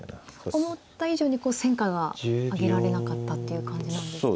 思った以上に戦果が上げられなかったっていう感じなんですか。